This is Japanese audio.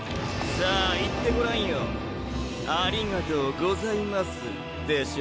さぁ言ってごらんよ「ありがとうございます」でしょ？